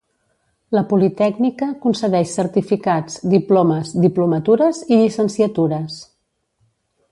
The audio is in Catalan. La politècnica concedeix certificats, diplomes, diplomatures i llicenciatures.